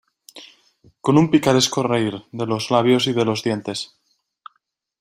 con un picaresco reír de los labios y de los dientes.